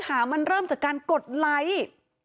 กลุ่มวัยรุ่นฝั่งพระแดง